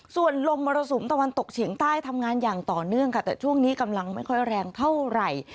ส่วนลมมรสุมตะวันตกเฉียงใต้ทำงานอย่างต่อเนื่องค่ะแต่ช่วงนี้กำลังไม่ค่อยแรงเท่าไหร่